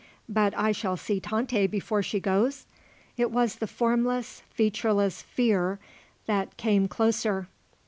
"But I shall see Tante before she goes?" It was the formless, featureless fear that came closer.